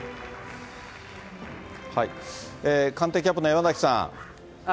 官邸キャップの山崎さん。